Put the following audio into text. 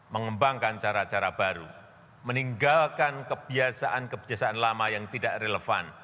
mengembangkan cara cara baru meninggalkan kebiasaan kebiasaan lama yang tidak relevan